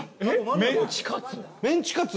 メンチカツ？